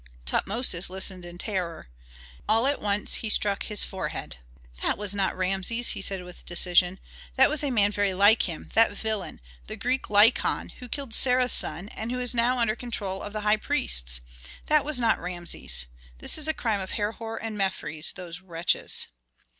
Tutmosis listened in terror. All at once he struck his forehead. "That was not Rameses," said he with decision. "That was a man very like him, that villain, the Greek Lykon, who killed Sarah's son, and who is now under control of the high priests. That was not Rameses. This is a crime of Herhor and Mefres, those wretches."